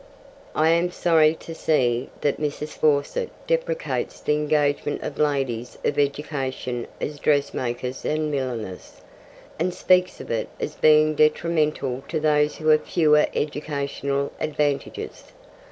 I am sorry to see that Mrs. Fawcett deprecates the engagement of ladies of education as dressmakers and milliners, and speaks of it as being detrimental to those who have fewer educational advantages.